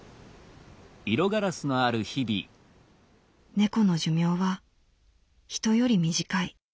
「猫の寿命はヒトより短い。